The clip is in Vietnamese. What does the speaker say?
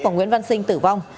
và nguyễn văn sinh tử vong